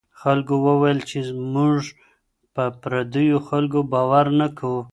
خلکو وویل چې موږ په پردیو خلکو باور نه کوو.